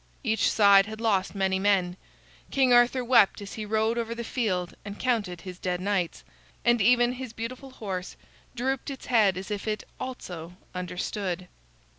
Each side had lost many men. King Arthur wept as he rode over the field and counted his dead knights, and even his beautiful horse drooped its head as if it, also, understood.